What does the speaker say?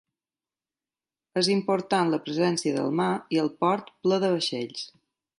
És important la presència del mar i el port ple de vaixells.